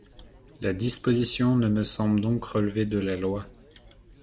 La disposition ne me semble donc relever de la loi.